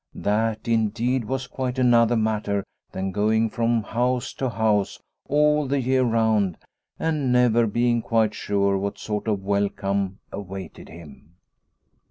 That, indeed, was quite another matter than going from house to house all the year round and never being quite sure what sort of welcome awaited him.